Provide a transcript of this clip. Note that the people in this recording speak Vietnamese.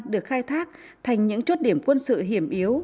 được khai thác thành những chốt điểm quân sự hiểm yếu